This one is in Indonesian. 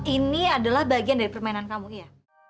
ini adalah bagian dari permainan kamu iya